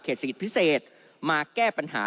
เขตศิษย์พิเศษมาแก้ปัญหา